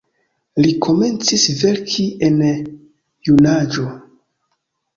Li komencis verki en junaĝo.